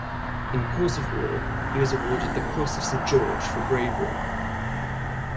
In course of war he was awarded the Cross of Saint George for bravery.